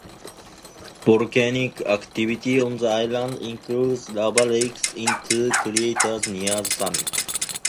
Volcanic activity on the island includes lava lakes in two craters near the summit.